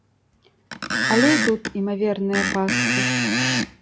Але і тут імаверныя пасткі.